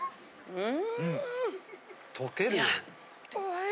うん。